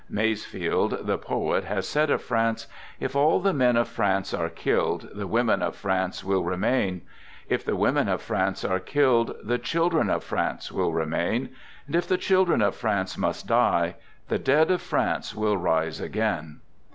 I Masefield, the poet, has said of France: " If all J the men of France are killed, the women of France iwill remain. If the women of France are killed, | the children of France will remain. And if the chil dren of France must die, the dead of France will rise ■ again."